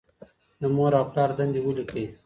د مور او پلار دندې ولیکئ.